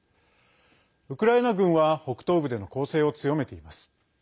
ウクライナ軍は北東部での攻勢を強めています。